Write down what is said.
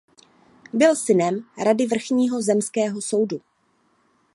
Byl synem rady vrchního zemského soudu.